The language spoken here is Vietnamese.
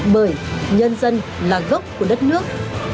bởi nhân dân là gốc của đất nước